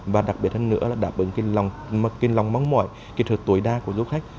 và đặc biệt hơn nữa là đáp ứng kinh lòng mong mỏi kỹ thuật tối đa của du khách